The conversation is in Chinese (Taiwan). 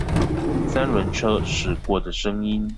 三輪車駛過的聲音